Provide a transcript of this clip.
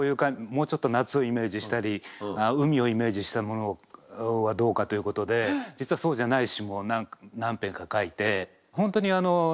もうちょっと夏をイメージしたり海をイメージしたものはどうかということで実はそうじゃない詞も何編か書いて。